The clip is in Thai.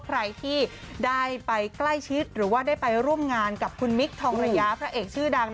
ใครที่ได้ไปใกล้ชิดหรือว่าได้ไปร่วมงานกับคุณมิคทองระยะพระเอกชื่อดัง